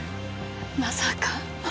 まさか？